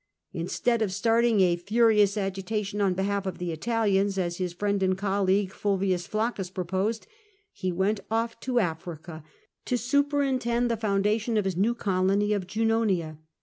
Instead of starting a furious agitation on behalf of the Italians, as his friend and colleague Pulvius Flaccus proposed, he went off to Africa to superintend the foundation of his new colony of Junonia.